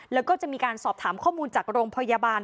แล้วก็จะมีการสอบถามข้อมูลจากโรงพยาบาล